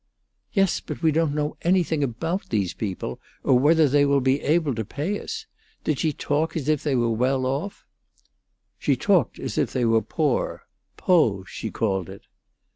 "Yes; but we don't know anything about these people, or whether they will be able to pay us. Did she talk as if they were well off?" "She talked as if they were poor; poo' she called it."